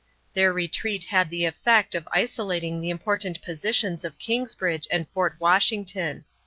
Their retreat had the effect of isolating the important positions of Kingsbridge and Fort Washington.